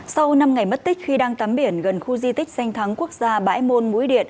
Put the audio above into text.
sau năm ngày mất tích khi đang tắm biển gần khu di tích danh thắng quốc gia bãi môn mũi điện